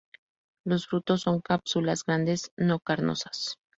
Los frutos son cápsulas grandes no carnosas.